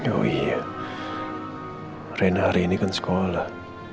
oh iya rena hari ini kan sekolah